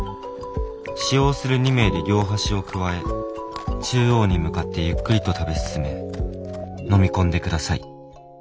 使用する２名で両端をくわえ中央に向かってゆっくりと食べ進めのみ込んでください。